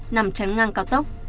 nằm tránh ngang cao tốc